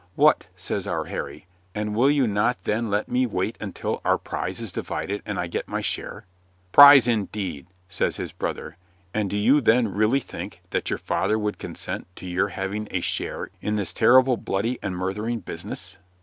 "What," says our Harry, "and will you not then let me wait until our prize is divided and I get my share?" "Prize, indeed!" says his brother. "And do you then really think that your father would consent to your having a share in this terrible bloody and murthering business?"